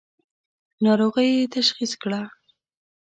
ناروغۍ یې تشخیص کړه.